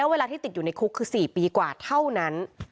เวลาที่ติดอยู่ในคุกคือ๔ปีกว่าเท่านั้น